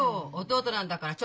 弟なんだから。